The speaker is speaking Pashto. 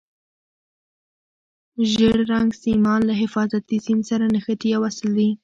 ژیړ رنګ سیمان له حفاظتي سیم سره نښتي یا وصل دي.